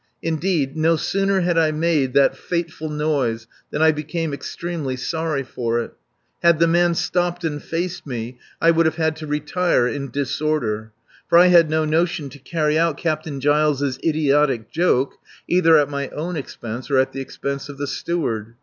Indeed, no sooner had I made that fateful noise than I became extremely sorry for it. Had the man stopped and faced me I would have had to retire in disorder. For I had no notion to carry out Captain Giles' idiotic joke, either at my own expense or at the expense of the Steward.